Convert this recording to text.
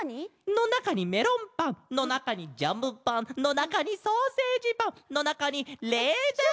のなかにメロンパンのなかにジャムパンのなかにソーセージパンのなかにレーズンパン！